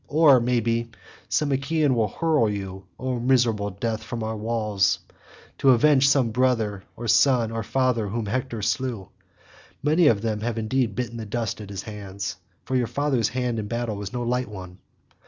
Or, may be, some Achaean will hurl you (O miserable death) from our walls, to avenge some brother, son, or father whom Hector slew; many of them have indeed bitten the dust at his hands, for your father's hand in battle was no light one.